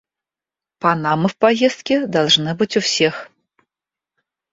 Панамы в поездке должны быть у всех.